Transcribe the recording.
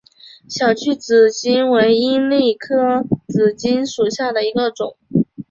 小距紫堇为罂粟科紫堇属下的一个种。